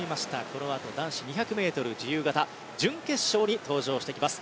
このあと男子２００ｍ自由形準決勝に登場してきます。